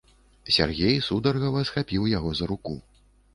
Сяргей сударгава схапіў яго за руку.